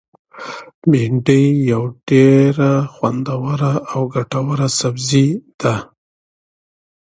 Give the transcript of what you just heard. بامیه یو ډیر خوندور او ګټور سبزي دی.